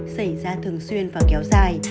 xảy ra thường xuyên và kéo dài